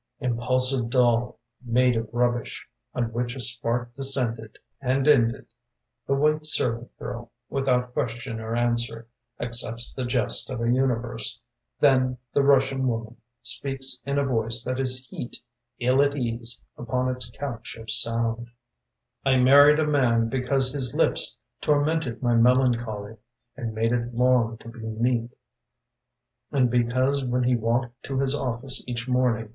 " Impulsive doll made of rubbish On which a spark descended and ended, The white servant girl, without question or answer, Accepts the jest of a universe. Then the Russian woman Speaks in a voice that is heat IU at ease upon its couch of sound. [i9] " I married a man because His lips tormented my melancholy And made it long to be meek, And because, when he walked to his office each morning.